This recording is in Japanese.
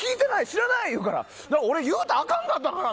知らないって言うから俺、言うたらあかんかったかな？